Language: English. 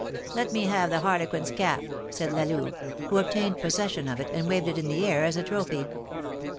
"Let me have the harlequin's cap," said La Louve, who obtained possession of it, and waved it in the air as a trophy.